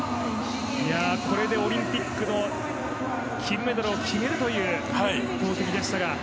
これでオリンピックの金メダルを決めるという投てきでしたが。